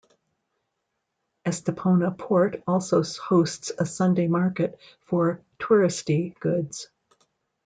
Estepona port also hosts a Sunday market for "touristy" goods.